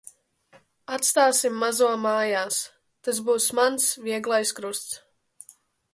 Atstāsim mazo mājās. Tas būs mans vieglais krusts.